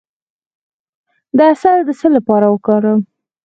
د عسل د څه لپاره وکاروم؟